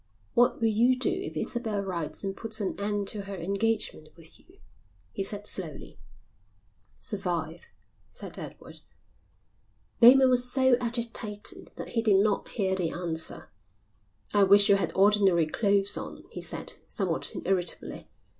"What will you do if Isabel writes and puts an end to her engagement with you?" he said, slowly. "Survive," said Edward. Bateman was so agitated that he did not hear the answer. "I wish you had ordinary clothes on," he said, somewhat irritably.